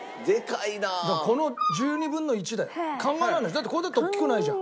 だってこれだって大きくないじゃん。